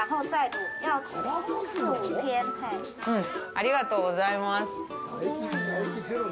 ありがとうございます。